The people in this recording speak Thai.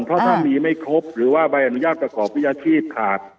เพราะถ้ามีไม่ครบหรือว่าใบอนุญาตประกอบวิชาชีพขาด